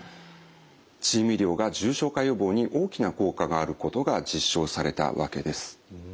チーム医療が重症化予防に大きな効果があることが実証されたわけです。